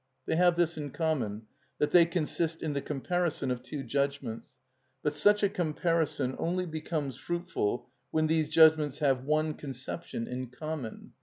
They have this in common, that they consist in the comparison of two judgments; but such a comparison only becomes fruitful when these judgments have one conception in common.